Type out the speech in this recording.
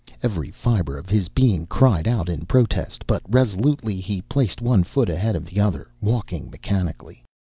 Every fiber of his being cried out in protest, but resolutely he placed one foot ahead of the other, walking mechanically.